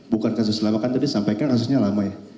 bukan kasus lama kan tadi sampaikan kasusnya lama ya